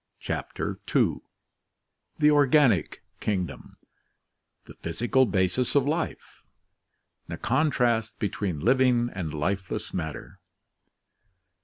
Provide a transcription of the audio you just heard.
CHAPTER H The Organic Kingdom Physical Basis of Life Contrast between Living and Lifeless Matter.